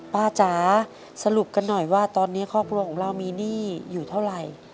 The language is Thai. จ๋าสรุปกันหน่อยว่าตอนนี้ครอบครัวของเรามีหนี้อยู่เท่าไหร่